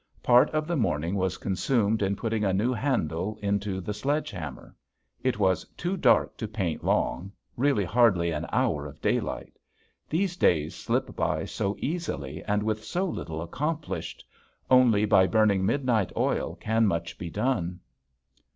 Part of the morning was consumed in putting a new handle into the sledge hammer. It was too dark to paint long, really hardly an hour of daylight. These days slip by so easily and with so little accomplished! Only by burning midnight oil can much be done.